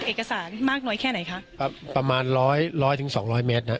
เอกสารมากน้อยแค่ไหนคะครับประมาณร้อยร้อยถึงสองร้อยเมตรนะฮะ